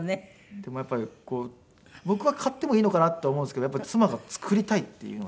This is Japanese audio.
でもやっぱり僕は買ってもいいのかなと思うんですけどやっぱり妻が作りたいっていうので。